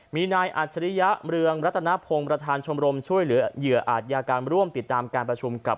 มีนายอัจฉริยะเมืองรัตนพงศ์ประธานชมรมช่วยเหลือเหยื่ออาจยากรรมร่วมติดตามการประชุมกับ